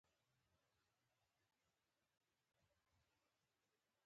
حقیقت د سیمې د خلکو د ملي خپلواکۍ ارمان وو.